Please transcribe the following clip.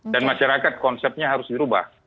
dan masyarakat konsepnya harus dirubah